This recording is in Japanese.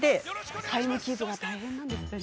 タイムキープも大変ですよね。